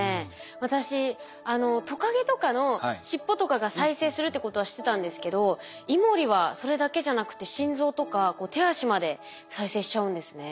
私トカゲとかの尻尾とかが再生するってことは知ってたんですけどイモリはそれだけじゃなくて心臓とか手足まで再生しちゃうんですね。